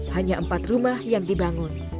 hanya empat rumah yang dibangun